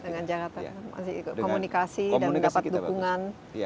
dengan komunikasi dan dapat dukungan